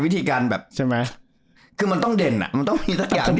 วิธีการแบบใช่ไหมคือมันต้องเด่นอ่ะมันต้องมีสักอย่างที่